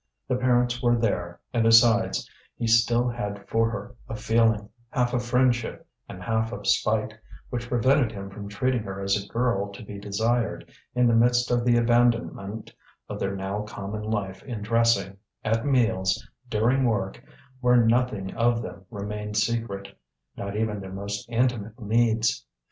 The parents were there, and besides he still had for her a feeling, half of friendship and half of spite, which prevented him from treating her as a girl to be desired, in the midst of the abandonment of their now common life in dressing, at meals, during work, where nothing of them remained secret, not even their most intimate needs.